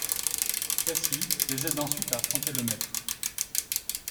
Cassie les aide ensuite à affronter Le Maître.